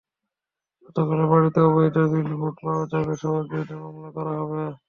যতগুলো বাড়িতে অবৈধ বিলবোর্ড পাওয়া যাবে সবার বিরুদ্ধে মামলা করা হবে।